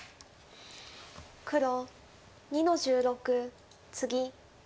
黒２の十六ツギ。